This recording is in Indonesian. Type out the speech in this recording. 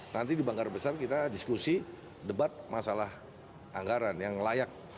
nanti di banggar besar kita diskusi debat masalah anggaran yang layak